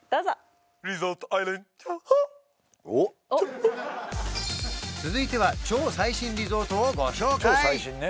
おっ続いては超最新リゾートをご紹介